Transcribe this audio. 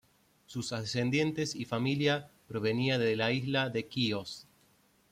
Sus ascendientes y familia provenía de la isla de Quíos.